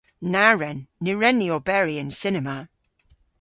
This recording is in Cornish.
Na wren! Ny wren ni oberi yn cinema.